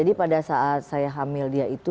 jadi pada saat saya hamil dia itu